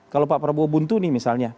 kalau pak prabowo buntu nih misalnya